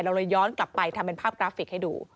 เราเลยย้อนกลับไปทำเป็นภาพกราฟิกให้ดู